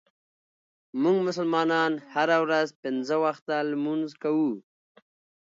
مونږ مسلمانان هره ورځ پنځه وخته لمونځ کوو.